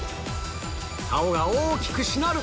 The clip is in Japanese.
さおが大きくしなる！